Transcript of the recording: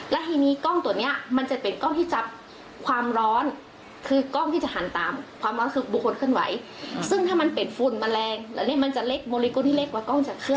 แล้วทีนี้กล้องตัวเนี้ยมันจะเป็นกล้องที่จับความร้อนคือกล้องที่จะหันตามความร้อนคือบุคคลเคลื่อนไหวซึ่งถ้ามันเป็นฝุ่นแมลงแล้วเนี่ยมันจะเล็กบริโกที่เล็กกว่ากล้องจะเคลื